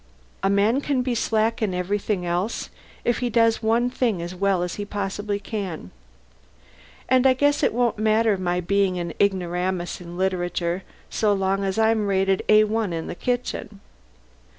A man can be slack in everything else, if he does one thing as well as he possibly can. And I guess it won't matter my being an ignoramus in literature so long as I'm rated A 1 in the kitchen.